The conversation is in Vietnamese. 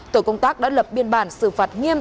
tổ công tác đã lập biên bản xử phạt nghiêm